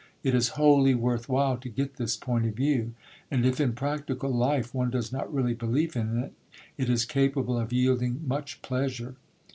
It is wholly worth while to get this point of view; and if in practical life one does not really believe in it, it is capable of yielding much pleasure.